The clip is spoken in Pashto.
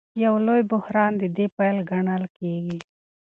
یو لوی بحران د دې پیل ګڼل کېږي.